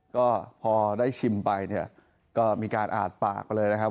ก็พอได้ชิมไปเนี่ยก็มีการอาจปากไปเลยนะครับ